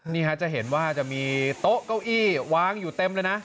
นี่ฮะจะเห็นว่าจะมีโต๊ะเก้าอี้วางอยู่เต็มเลยนะ